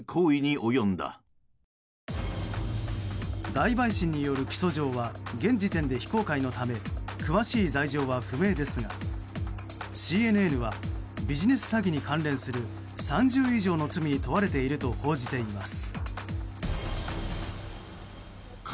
大陪審による起訴状は現時点で非公開のため詳しい罪状は不明ですがＣＮＮはビジネス詐欺に関連する３０以上の罪に問われていると報じています。